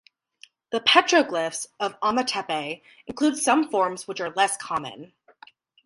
The petroglyphs of Ometepe include some forms which are less common.